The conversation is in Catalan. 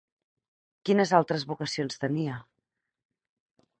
Quines altres vocacions tenia?